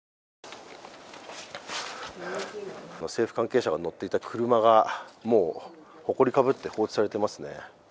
政府関係者は乗っていた車が、もう埃かぶって放置されてますね。